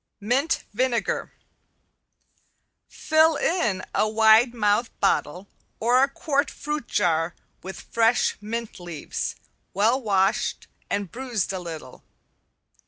~MINT VINEGAR~ Fill in a wide mouthed bottle or a quart fruit jar with fresh mint leaves, well washed and bruised a little.